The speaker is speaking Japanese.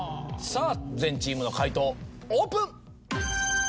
さぁ全チームの解答オープン！